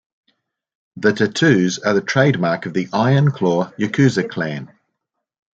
The tattoos are the trademark of the Iron Claw Yakuza clan.